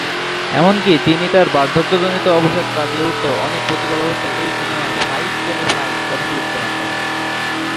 এমনকি তিনি তার বার্ধক্যজনিত অবসাদ কাটিয়ে উঠতে অনেক প্রতিকূল অবস্থায় এই সিনেমার "ফাইট-কোনি-ফাইট" কথাটি উচ্চারণ করেন।